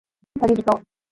たびびと